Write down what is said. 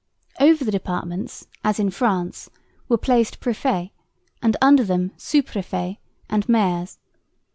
Over the departments, as in France, were placed préfets and under them sous préfets and maires.